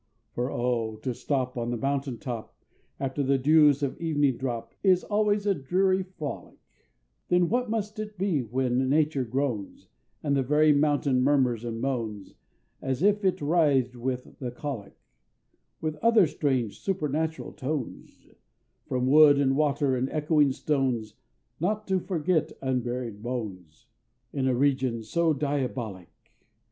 For oh! to stop On that mountain top, After the dews of evening drop, Is always a dreary frolic Then what must it be when nature groans, And the very mountain murmurs and moans As if it writhed with the cholic With other strange supernatural tones, From wood, and water, and echoing stones, Not to forget unburied bones In a region so diabolic!